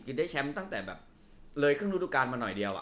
ได้แชมป์ตั้งแต่แบบเลยครึ่งฤดูการมาหน่อยเดียว